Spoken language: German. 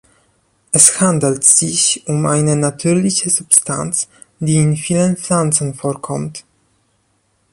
Es handelt sich um eine natürliche Substanz, die in vielen Pflanzen vorkommt.